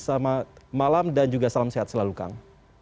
selamat malam dan juga salam sehat selalu kang